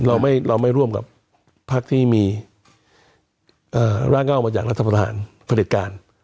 เราไม่ร่วมกับพักที่มีร่างเง่ามาจากรัฐประหารผลิตการ